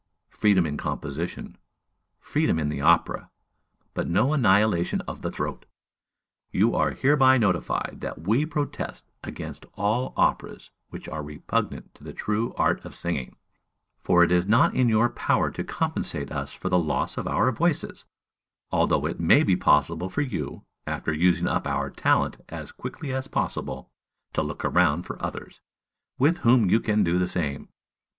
freedom in composition! freedom in the opera! but no annihilation of the throat! You are hereby notified that we protest against all operas which are repugnant to the true art of singing; for it is not in your power to compensate us for the loss of our voices, although it may be possible for you, after using up our talent as quickly as possible, to look around for others, with whom you can do the same.